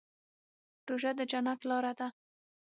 روژه د جنت لاره ده.